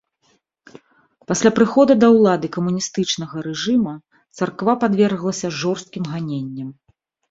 Пасля прыхода да ўлады камуністычнага рэжыма царква падверглася жорсткім ганенням.